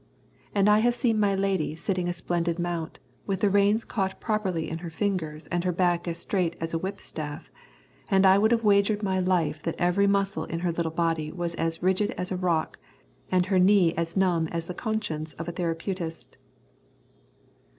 And I have seen my lady sitting a splendid mount, with the reins caught properly in her fingers and her back as straight as a whip staff, and I would have wagered my life that every muscle in her little body was as rigid as a rock, and her knee as numb as the conscience of a therapeutist.